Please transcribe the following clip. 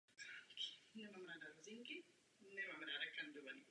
Hlavním tématem jeho práce je rozpad Sovětského svazu a Indie.